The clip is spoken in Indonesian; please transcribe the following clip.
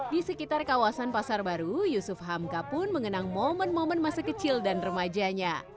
di sekitar kawasan pasar baru yusuf hamka pun mengenang momen momen masa kecil dan remajanya